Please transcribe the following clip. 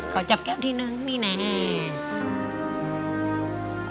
ขอจับแก้วที่หนึ่งนี่แน่